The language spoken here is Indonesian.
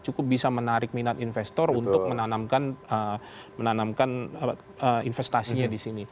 cukup bisa menarik minat investor untuk menanamkan investasinya disini